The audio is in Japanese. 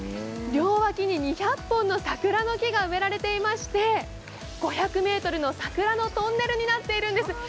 両脇に２００本の桜の木が植えられていまして５００ｍの桜のトンネルになっているんです。